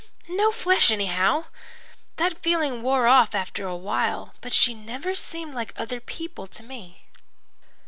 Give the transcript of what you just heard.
no flesh, anyhow. That feeling wore off after a while, but she never seemed like other people to me.